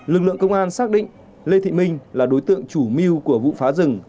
lực lượng công an xác định lê thị minh là đối tượng chủ mưu của vụ phá rừng